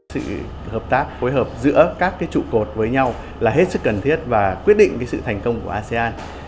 sự hợp tác phối hợp giữa các trụ cột với nhau là hết sức cần thiết và quyết định sự thành công của asean